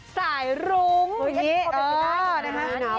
สายรุ้งโอ้ยนี่เออได้ไหม